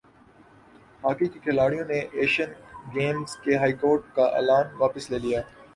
hockey کےکھلاڑیوں نے Asian Games کے بائیکاٹ کا اعلان واپس لے لیا